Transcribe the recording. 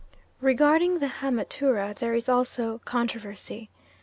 Regarding the haematuria there is also controversy.